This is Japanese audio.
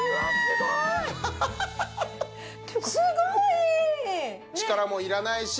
すごい！